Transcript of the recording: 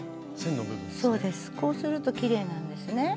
こうするときれいなんですね。